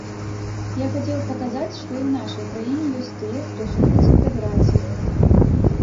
Я хацеў паказаць, што і ў нашай краіне ёсць тыя, хто супраць інтэграцыі.